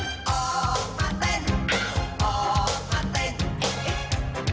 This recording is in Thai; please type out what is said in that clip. ออกมาเต้นออกมาเต้นเอง